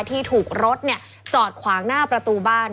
ที่ถูกรถจอดขวางหน้าประตูบ้าน